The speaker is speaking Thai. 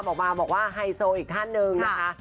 ที่พี่โมดำออกมาบอกว่าไฮโซอีกท่านหนึ่งนะคะ